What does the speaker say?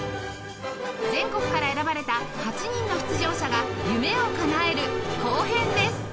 全国から選ばれた８人の出場者が夢をかなえる後編です